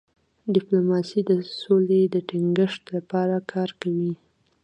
ډيپلوماسي د سولې د ټینګښت لپاره کار کوي.